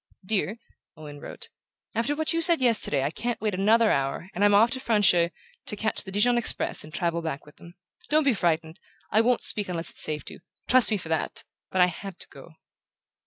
"Dear," Owen wrote, "after what you said yesterday I can't wait another hour, and I'm off to Francheuil, to catch the Dijon express and travel back with them. Don't be frightened; I won't speak unless it's safe to. Trust me for that but I had to go."